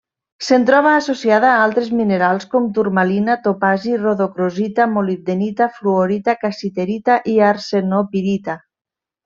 Se'n troba associada a altres minerals, com turmalina, topazi, rodocrosita, molibdenita, fluorita, cassiterita i arsenopirita.